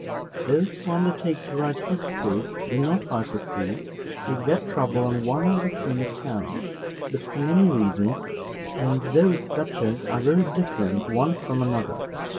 Those who undertake to write histories, do not, I perceive, take that trouble on one and the same account, but for many reasons, and those such as are very different one from another.